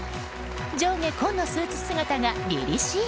上下紺のスーツ姿が凛々しい。